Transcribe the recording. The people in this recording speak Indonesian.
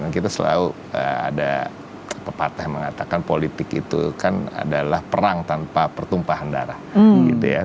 kita selalu ada pepatah yang mengatakan politik itu kan adalah perang tanpa pertumpahan darah